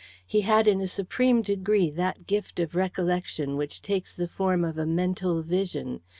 He had in a supreme degree that gift of recollection which takes the form of a mental vision.